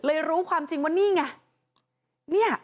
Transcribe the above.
เลยรู้ความจริงว่านี่ไงเนี่ย